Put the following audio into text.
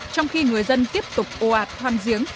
trong khi người dân tiếp tục ô ạt khoan giếng